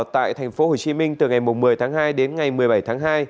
tại tp hcm từ ngày một mươi tháng hai đến ngày một mươi bảy tháng hai